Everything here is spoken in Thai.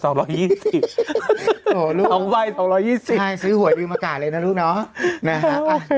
โอ้โฮลูกใช่ซื้อหัวดีมะกาลเลยนะลูกน้องนะฮะโอ้โฮ